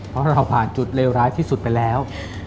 เพราะเราผ่านจุดเลวร้ายที่สุดไปแล้ว